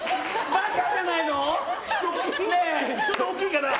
バカじゃないの？